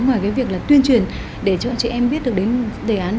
ngoài cái việc là tuyên truyền để cho chị em biết được đến đề án